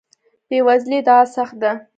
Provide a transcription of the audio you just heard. بې وزلۍ ادعا سخت ده.